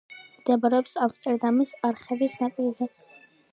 მდებარეობს ამსტერდამის არხების ნაპირზე.